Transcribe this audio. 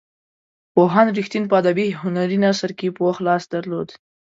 پوهاند رښتین په ادبي هنري نثر کې پوخ لاس درلود.